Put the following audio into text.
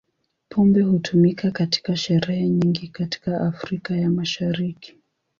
Pombe hutumika katika sherehe nyingi katika Afrika ya Mashariki.